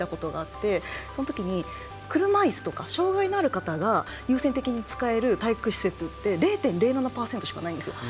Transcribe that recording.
車いすとか障がいのある方が優先的に使える体育施設って０．０７％しかないんですよ。